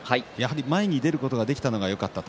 前に出ることができのがよかった。